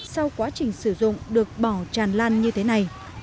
sau quá trình sử dụng được bỏ tràn lan như thế này